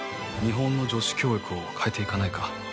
「日本の女子教育を変えていかないか？」